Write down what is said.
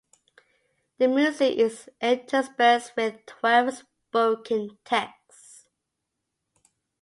The music is interspersed with twelve spoken texts.